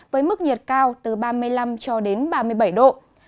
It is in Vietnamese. với mức nhiệt cao từ ba mươi năm ba mươi bảy độ